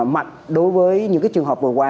mạch đối với những trường hợp vừa qua